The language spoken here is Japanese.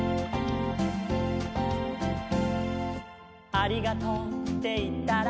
「ありがとうっていったら」